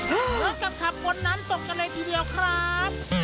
แล้วก็ขับบนน้ำตกกันเลยทีเดียวครับ